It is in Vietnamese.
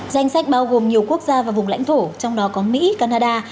danh sách bao gồm nhiều quốc gia và vùng lãnh thổ trong đó có mỹ canada